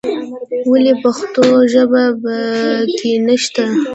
ولې پښتو ژبه په کې نه شته.